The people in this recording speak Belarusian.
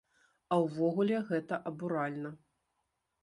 А ўвогуле, гэта абуральна.